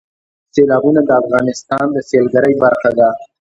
سیلابونه د افغانستان د سیلګرۍ برخه ده.